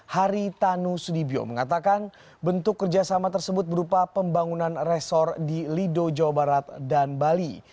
hari tanu sudibyo mengatakan bentuk kerjasama tersebut berupa pembangunan resor di lido jawa barat dan bali